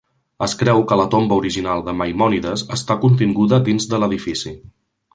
Es creu que la tomba original de Maimònides està continguda dins de l'edifici.